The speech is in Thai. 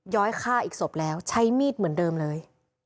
้อยฆ่าอีกศพแล้วใช้มีดเหมือนเดิมเลย